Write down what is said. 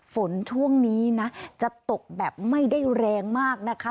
ฝนช่วงนี้นะจะตกแบบไม่ได้แรงมากนะคะ